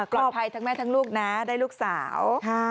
กลอดภัยทั้งแม่ทั้งลูกนะได้ลูกสาว